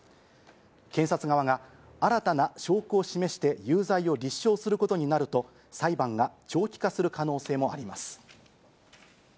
検察側が新たな証拠を示して有罪を立証することになると、裁判が長期化する可能性もあります。